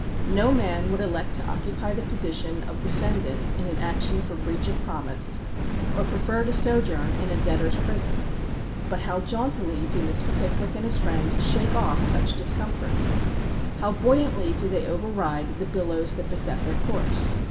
No man would elect to occupy the position of defendant in an action for breach of promise, or prefer to sojourn in a debtors' prison. But how jauntily do Mr. Pickwick and his friends shake off such discomforts! How buoyantly do they override the billows that beset their course!